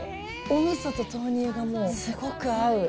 おみそと豆乳がもう、すごく合う。